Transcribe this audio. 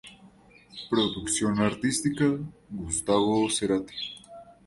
Producción artística: Gustavo Cerati.